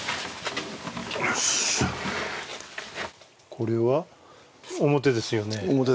これは表ですよね。